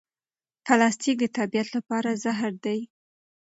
پلاستیک د طبیعت لپاره زهر دی.